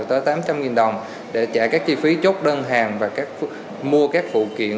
tới tám trăm linh đồng để trả các chi phí chốt đơn hàng và mua các phụ kiện